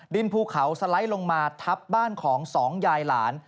ภูเขาสไลด์ลงมาทับบ้านของสองยายหลาน